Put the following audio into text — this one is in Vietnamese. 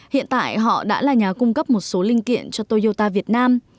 hiện tại họ đã là nhà cung cấp một số linh kiện cho toyota việt nam